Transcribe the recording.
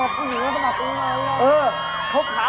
มีผู้หญิงต้องมาตรงไหน